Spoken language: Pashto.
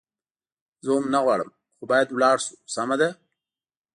زه هم نه غواړم، خو باید ولاړ شو، سمه ده.